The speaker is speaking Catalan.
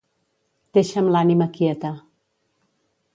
Deixa'm l'ànima quieta.